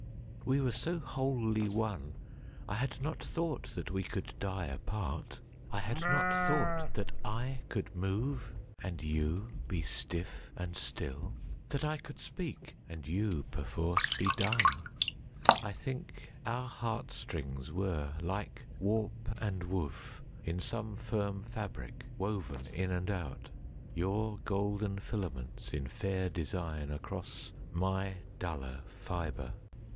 We were so wholly one I had not thoughtThat we could die apart. I had not thoughtThat I could move,—and you be stiff and still! That I could speak,—and you perforce be dumb!I think our heart strings were, like warp and woofIn some firm fabric, woven in and out; Your golden filaments in fair designAcross my duller fibre.